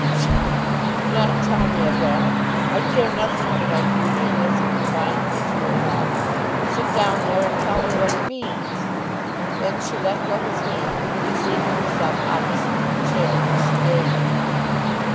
"Psha! Do not tell me of that. I care nothing for my beauty unless it can bind me to your love. Sit down there and tell me what it means." Then she let go his hand, and seated herself opposite to the chair which she gave him.